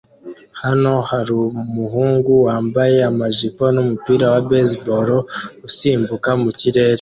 Hano harumuhungu wambaye amajipo numupira wa baseball usimbuka mukirere